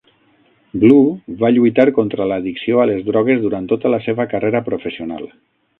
Blue va lluitar contra l'addicció a les drogues durant tota la seva carrera professional.